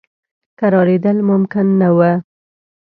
کرارېدل ممکن نه وه.